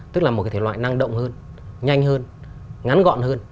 tức là một cái thể loại năng động hơn nhanh hơn ngắn gọn hơn